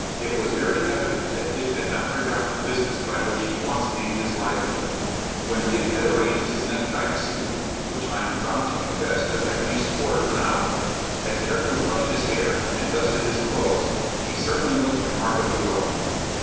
It was very evident that Dick had not forgotten the business by which he once gained his livelihood. When Dick had arranged his necktie to suit him, which I am bound to confess took at least quarter of an hour, had carefully brushed his hair, and dusted his clothes, he certainly looked remarkably well.